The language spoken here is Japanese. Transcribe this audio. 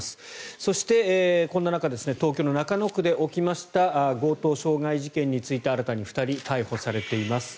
そして、そんな中東京・中野区で起きました強盗傷害事件について新たに２人逮捕されています。